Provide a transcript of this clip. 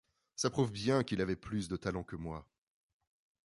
Ça prouve bien qu'il avait plus de talent que moi.